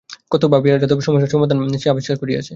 কত ভাবিয়া যাদবের সমস্যার এই সমাথা ন সে আবিষ্কার করিয়ারেছ।